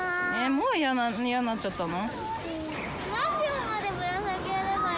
もうイヤになっちゃったの？